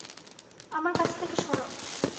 আমার কাছ থেকে সর!